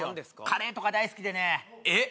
カレーとか大好きでねえっ？